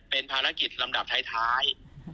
เป็นภารกิจลำดับท้าย